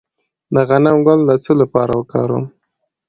د غنم ګل د څه لپاره وکاروم؟